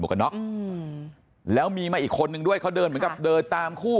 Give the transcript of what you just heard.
กันน็อกอืมแล้วมีมาอีกคนนึงด้วยเขาเดินเหมือนกับเดินตามคู่